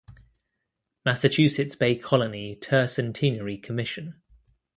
Massachusetts Bay Colony Tercentenary Commission.